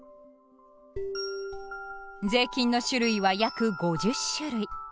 税金の種類は約５０種類。